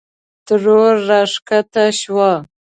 ترور راکښته شوه.